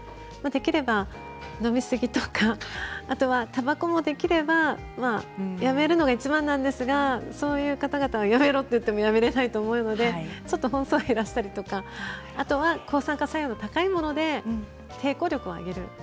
できれば飲みすぎとかあとは、たばこもできればやめるのがいちばんなんですがそういう方々は、やめろと言ってもやめられないと思うのでちょっと本数を減らしたりとかあとは、抗酸化作用の高いもので抵抗力を上げる。